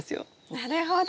なるほど。